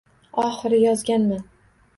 Oxiri yozganman.